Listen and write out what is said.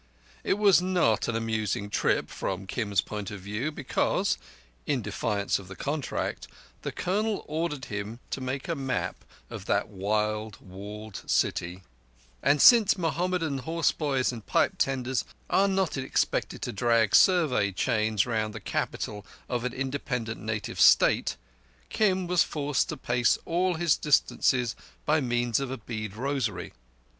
It was not an amusing trip from Kim's point of view, because—in defiance of the contract—the Colonel ordered him to make a map of that wild, walled city; and since Mohammedan horse boys and pipe tenders are not expected to drag Survey chains round the capital of an independent Native State, Kim was forced to pace all his distances by means of a bead rosary.